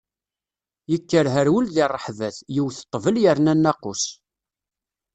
Yekker herwel di ṛṛeḥbat, yewwet ṭṭbel yerna nnaqus.